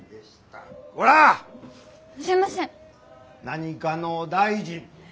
何かの大臣！